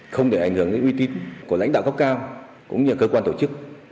không để ảnh hưởng đến uy tín của lãnh đạo gốc cao cũng như cơ quan tổ chức